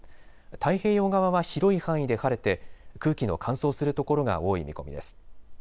太平洋側は広い範囲で晴れて空気の乾燥する所が多い見込みです。